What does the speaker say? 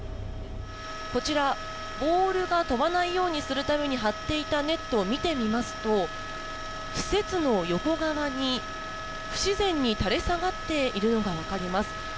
こちらボールが飛ばないようにするために張っていたネットを見てみますと、施設の横側に不自然に垂れ下がっているのが分かります。